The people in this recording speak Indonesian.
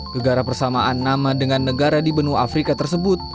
kegara persamaan nama dengan negara di benua afrika tersebut